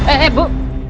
eh eh bu